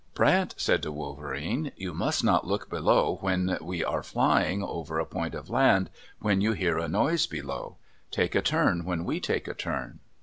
Brant said to Wolverene, "You must not look below when we are flying over a point of land, when you hear a noise below. Take a turn when we take a turn."